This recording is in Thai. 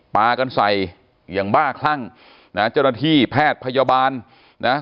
ปลากันใส่อย่างบ้าคลั่งนะเจ้าหน้าที่แพทย์พยาบาลนะ